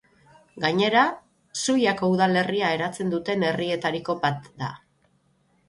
Gainera, Zuiako udalerria eratzen duten herrietariko bat da.